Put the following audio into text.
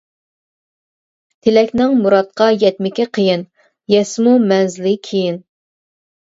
تىلەكنىڭ مۇرادقا يەتمىكى قىيىن، يەتسىمۇ مەنزىلى كىيىن.